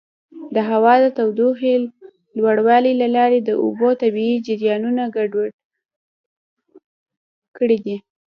د هوا د تودوخې لوړوالي له لارې د اوبو طبیعي جریانونه ګډوډ کړي دي.